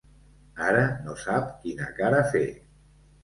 Ara no sap quina cara fer.